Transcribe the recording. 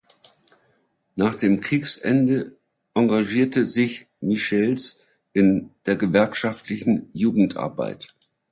Nach dem Kriegsende engagierte sich Michels in der gewerkschaftlichen Jugendarbeit.